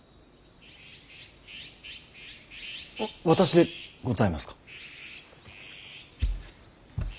私でございますか。